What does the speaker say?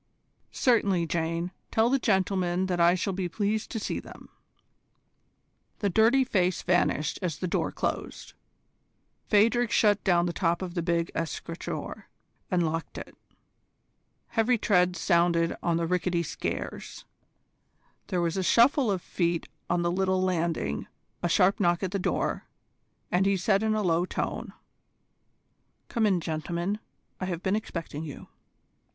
"Certainly, Jane. Tell the gentlemen that I shall be pleased to see them." The dirty face vanished as the door closed. Phadrig shut down the top of the big escritoire and locked it. Heavy treads sounded on the rickety stairs. There was a shuffle of feet on the little landing, a sharp knock at the door, and he said in a low tone: "Come in, gentlemen. I have been expecting you."